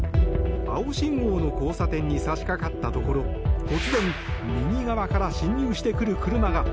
青信号の交差点に差し掛かったところ突然、右側から進入してくる車が。